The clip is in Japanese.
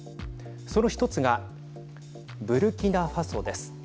その１つがブルキナファソです。